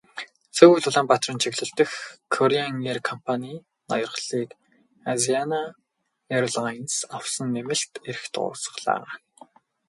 Сөүл-Улаанбаатарын чиглэл дэх Кореан эйр компанийн ноёрхлыг Азиана эйрлайнсын авсан нэмэлт эрх дуусгалаа.